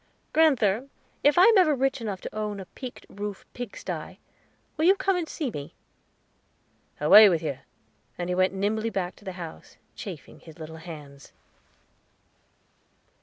"Grand'ther, if I am ever rich enough to own a peaked roof pig sty, will you come and see me?" "Away with you." And he went nimbly back to the house, chafing his little hands.